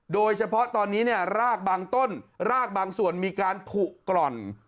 โดยเฉพาะตอนนี้เนี่ยรากบางต้นรากบางส่วนมีการผูกร่อน